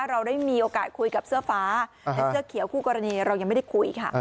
เราได้มีโอกาสคุยกับเสื้อฟ้าแต่เสื้อเขียวคู่กรณีเรายังไม่ได้คุยค่ะ